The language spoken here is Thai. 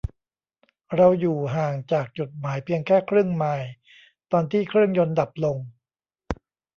เราอยู่ห่างจากจุดหมายเพียงแค่ครึ่งไมล์ตอนที่เครื่องยนต์ดับลง